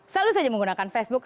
selalu saja menggunakan facebook